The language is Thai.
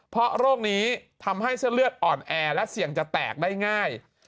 เพราะโรคนี้ทำให้เส้นเลือดอ่อนแอและเสี่ยงจะแตกได้ง่าย